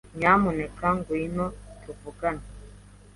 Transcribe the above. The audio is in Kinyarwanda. Nyamuneka ngwino tuvugane.